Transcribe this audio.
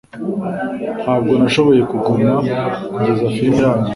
Ntabwo nashoboye kuguma kugeza firime irangiye.